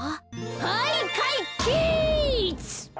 はいかいけつ！